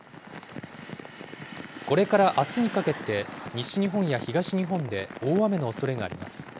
これからあすにかけて、西日本や東日本で大雨のおそれがあります。